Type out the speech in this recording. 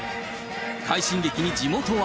快進撃に地元は。